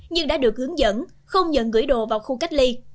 nhưng đã được hướng dẫn không nhận gửi đồ vào khu cách ly